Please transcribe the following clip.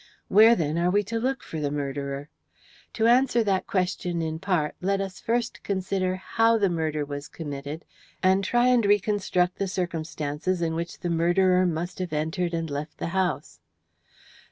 Where, then, are we to look for the murderer? To answer that question, in part, let us first consider how the murder was committed, and try and reconstruct the circumstances in which the murderer must have entered and left the house.